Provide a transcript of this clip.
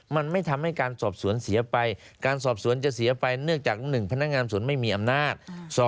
มันไม่ทำให้การสอบสวนเสียไปการสอบสวนจะเสียไปเนื่องจาก๑พนักงานสวนไม่มีอำนาจ